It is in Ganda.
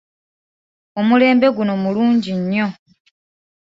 Omulembe guno mulungi nnyo.